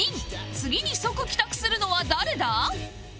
次に即帰宅するのは誰だ？